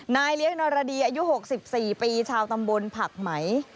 เลี้ยงนรดีอายุ๖๔ปีชาวตำบลผักไหม